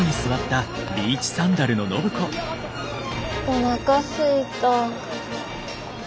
おなかすいた。